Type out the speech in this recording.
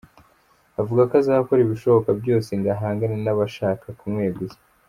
Avuga ko azakora ibishoboka byose ngo ahangane n’abashaka kumweguza.